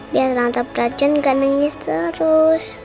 biar tante frozen tidak nangis terus